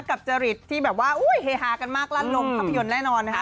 จริตที่แบบว่าเฮฮากันมากลั่นลงภาพยนตร์แน่นอนนะคะ